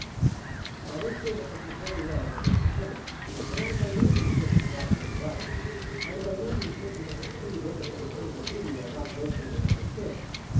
Now this fable answers very well as a hit at the criticsŌĆöbut I am by no means sure that the god was in the right. I am by no means certain that the true limits of the critical duty are not grossly misunderstood.